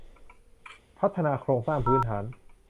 พัฒนาโครงสร้างพื้นฐาน